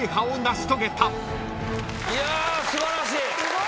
いや素晴らしい！